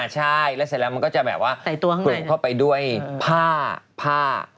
ใช่แล้วเสร็จแล้วมันก็จะแบบว่าปลูกเข้าไปด้วยผ้าผ้า